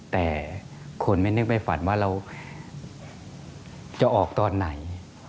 แต่คนไม่นึกไม่ฝันว่าเราจะออกตอนไหน